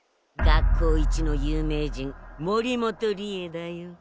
学校一の有名人森元りえだよ。